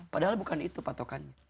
padahal bukan itu patokannya